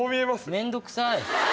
面倒くさい。